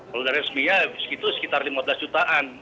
kalau dari resminya itu sekitar lima belas jutaan